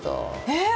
えっ？